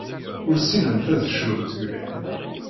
Ur ssinent ad cnunt mliḥ.